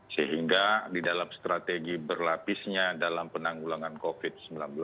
sehingga di dalam strategi berlapisnya dalam penanggulangan covid sembilan belas